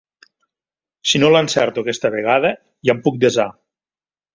Si no l'encerto aquesta vegada, ja em puc desar.